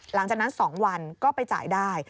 หลังจากนั้น๒วันก็ไปจ่ายได้